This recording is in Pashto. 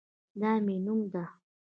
دا مې نوم ده